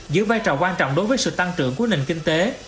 giữ vai trò quan trọng đối với sự tăng trưởng của nền kinh tế